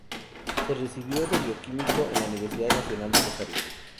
Se recibió de bioquímico en la Universidad Nacional de Rosario.